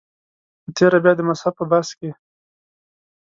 په تېره بیا د مذهب په بحث کې.